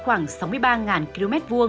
khoảng sáu mươi ba km hai